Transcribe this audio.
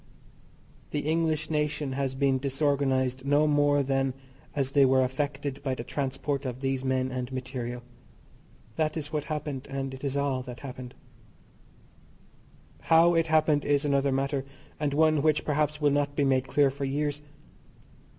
The English nation has been disorganised no more than as they were affected by the transport of these men and material. That is what happened, and it is all that happened. How it happened is another matter, and one which, perhaps, will not be made clear for years.